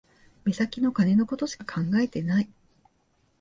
目先の金のことしか考えてない